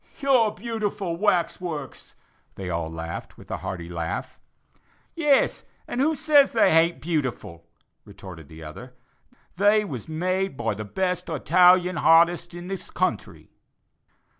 "Your beautiful wax works!" they all exclaimed, with a hearty laugh. "Yes, and who says they haint beautiful?" retorted the other; "they was made by the best Hitalian hartist in this country."